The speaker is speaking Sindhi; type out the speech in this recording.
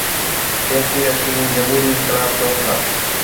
جنهن کي اسين جمهوري انقلاب چئون ٿا.